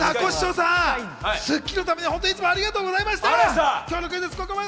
ザコシショウさん、『スッキリ』のためにいつもありがとうございました。